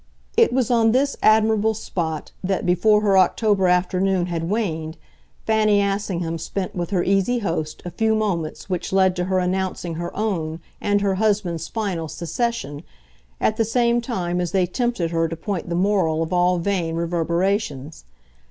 It was on this admirable spot that, before her October afternoon had waned, Fanny Assingham spent with her easy host a few moments which led to her announcing her own and her husband's final secession, at the same time as they tempted her to point the moral of all vain reverberations.